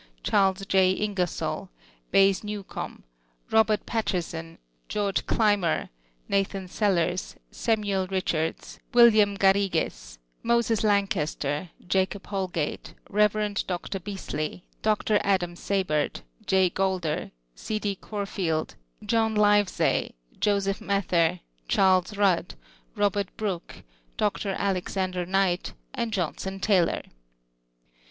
xrles J. Ingcrsoil, B lyes Newcomb, Robert Patterson, George Cl\ mer, Nathan Sehei's, Samuel Richards, William Garrigues, Moses L.mcaster, Jacob Holgatc, Rev. Dr. BVisly, Dr. Adam Seybert, J. Golder, C. D. Corfield, Jolm Livezey, Joseph Mather, Charles Bndd, Robert Brooke, Dr. Alexander Knight, and Jolmson Taylor.